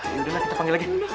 yaudah kita panggil lagi